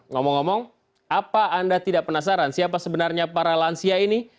ngomong ngomong apa anda tidak penasaran siapa sebenarnya para lansia ini